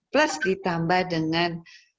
plus ditambah dengan